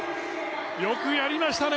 よくやりましたね！